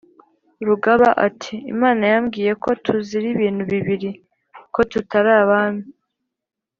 rugaba ati: "Imana yambwiye ko tuzira ibintu bibiri : ko tutari abami,